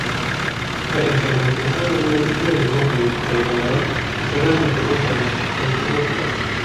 فَإِنْ سَلِمَتْ الْحَالُ مِنْ الْإِدْلَالِ الْمُفْضِي إلَى الْمَلَالِ اسْتَدَامَتْ الْأُلْفَةُ وَاسْتَحْكَمَتْ الْوَصْلَةُ